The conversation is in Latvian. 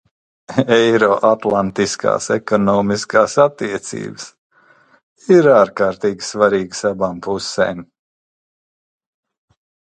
Eiroatlantiskās ekonomiskās attiecības ir ārkārtīgi svarīgas abām pusēm.